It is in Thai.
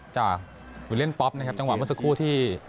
จากวิวเล่นป๊อปนะครับจังหวะเมื่อสักครู่ที่